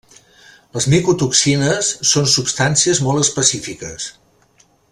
Les micotoxines són substàncies molt específiques.